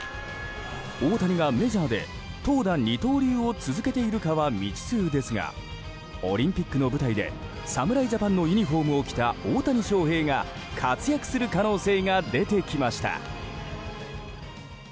大谷がメジャーで投打二刀流を続けているかは未知数ですがオリンピックの舞台で侍ジャパンのユニホームを着た大谷翔平が活躍する可能性が出てきました。